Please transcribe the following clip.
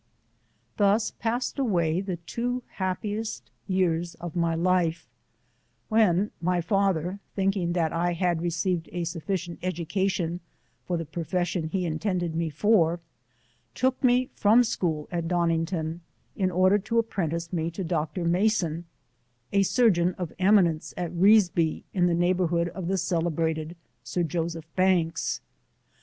Thus passed away the two happiest years of my life, wiien my father, thinking that 1 had re ceived a sufficient education for the profession he intended me for, took me from school at Donning ton in order to apprentice me to Doctor Mason, a surgeon of eminence at Reasby, in the neighbour hood of the celebrated Sir Joseph Banks.